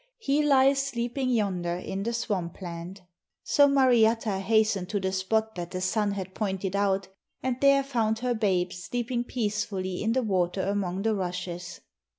He lies sleeping yonder in the Swampland.' So Mariatta hastened to the spot that the Sun had pointed out and there found her babe sleeping peacefully in the water among the rushes.